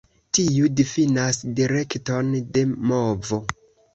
Tiu difinas direkton de movo.